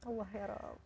allah ya ra'al